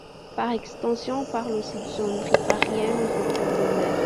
Par extension, on parle aussi de zone riparienne en bordure de mer.